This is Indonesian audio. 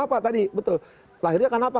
apa tadi betul lahirnya karena apa